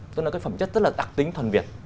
tức là các phẩm chất rất là đặc tính thuần việt